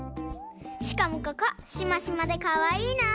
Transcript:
しかもここシマシマでかわいいなあ！